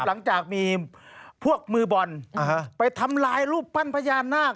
หลังจากมีพวกมือบอลไปทำลายรูปปั้นพญานาค